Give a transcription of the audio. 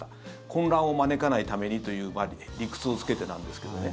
混乱を招かないためにという理屈をつけてなんですけどね。